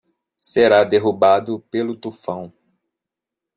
Será derrubado pelo tufão